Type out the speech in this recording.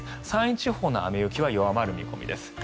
山陰地方の雨、雪は弱まる見込みです。